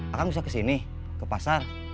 akan bisa kesini ke pasar